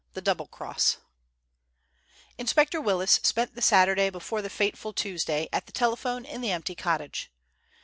THE DOUBLE CROSS Inspector Willis spent the Saturday before the fateful Tuesday at the telephone in the empty cottage.